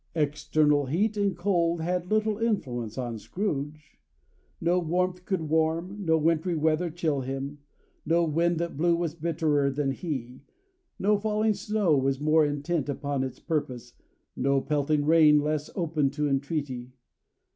External heat and cold had little influence on Scrooge. No warmth could warm, no wintry weather chill him. No wind that blew was bitterer than he, no falling snow was more intent upon its purpose, no pelting rain less open to entreaty.